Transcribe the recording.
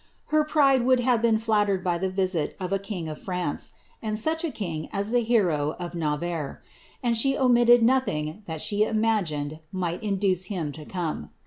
wide would have been flattered by the visit of a king of France, and a king as the hero of Navarre, and she omitted nothing that she ned might induce him to come.